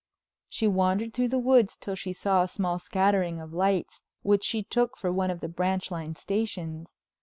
She wandered through the woods till she saw a small scattering of lights which she took for one of the branch line stations.